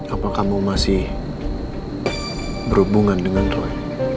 apa kamu masih berhubungan dengan roy